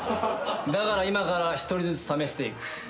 だから今から一人ずつ試していく。